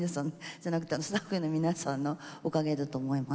スタッフの皆さんのおかげだと思います。